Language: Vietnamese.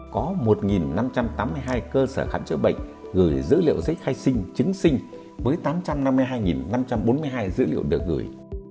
có một năm trăm tám mươi hai cơ sở khám chữa bệnh gửi dữ liệu giấy khai sinh chứng sinh với tám trăm năm mươi hai năm trăm bốn mươi hai dữ liệu được gửi